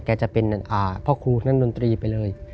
จะเป็นพ่อครูนักดนตรีไปเลย